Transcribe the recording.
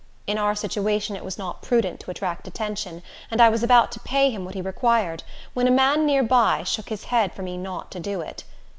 In our situation it was not prudent to attract attention, and I was about to pay him what he required, when a man near by shook his head for me not to do it.